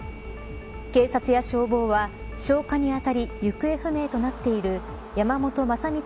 警察や消防は消火にあたり行方不明となっている山本将光